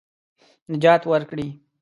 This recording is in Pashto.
نجات ورکړي.